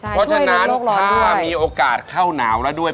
เพราะฉะนั้นถ้ามีโอกาสเข้าหนาวแล้วด้วย